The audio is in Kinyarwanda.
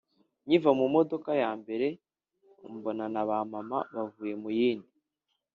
Nkiva mu modoka ya mbere mbona na ba mama bavuye mu yindi